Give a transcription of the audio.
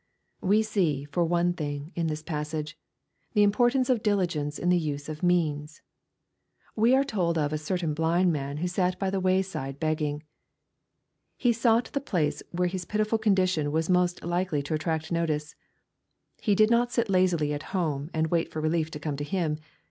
We see, for one thing, in this passage, the importance of diligence in the use of means. We are told of a certain blind man who sat by the wayside begging/' He sought the place where his pitiftil condition was most likely to attract notice. He did not sit lazily at home, and wait for relief to come to him.